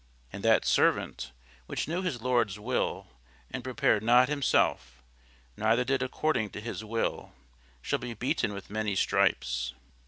And that servant, which knew his lord's will, and prepared not himself, neither did according to his will, shall be beaten with many stripes.